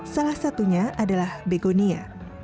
salah satunya adalah begonia